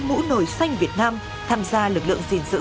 mũ nồi xanh việt nam tham gia lực lượng gìn giữ